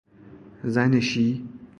زنشی